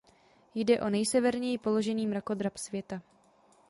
Jde o nejseverněji položený mrakodrap světa.